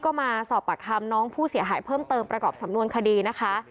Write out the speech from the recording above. ก็มาสอบปากคำน้องผู้เสียหายเพิ่มเติมประกอบสำนวนคดีนะคะ